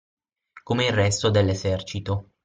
Come il resto dell’esercito.